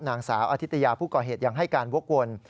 นางสาวอธิตยาผู้ก่อเหตุยังให้การวกวน